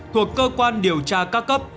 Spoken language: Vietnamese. thuộc cơ quan điều tra các cấp